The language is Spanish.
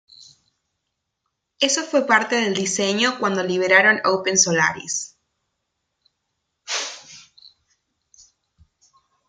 Eso fue parte del diseño cuando liberaron OpenSolaris.